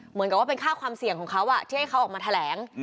เหมือนกับว่าเป็นค่าความเสี่ยงของเขาที่ให้เขาออกมาแถลง